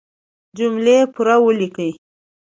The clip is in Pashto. جملې پوره وليکئ!